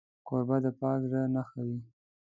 کوربه د پاک زړه نښه وي.